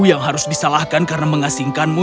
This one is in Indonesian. yang harus disalahkan karena mengasingkanmu